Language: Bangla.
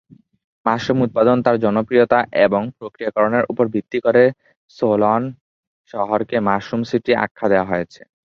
মাশরুম উৎপাদন তার জনপ্রিয়তা এবং প্রক্রিয়াকরণের ওপর ভিত্তি করে সোলান শহরকে "মাশরুম সিটি" আখ্যা দেওয়া হয়েছে।